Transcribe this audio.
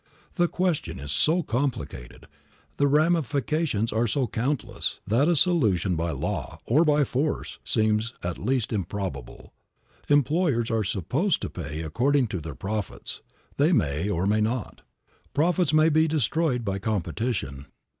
The question is so complicated, the ramifications are so countless, that a solution by law, or by force, seems at least improbable. Employers are supposed to pay according to their profits. They may or may not. Profits may be destroyed by competition.